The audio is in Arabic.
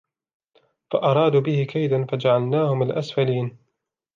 فأرادوا به كيدا فجعلناهم الأسفلين